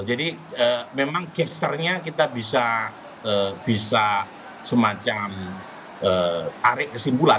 jadi memang gesternya kita bisa semacam tarik kesimpulan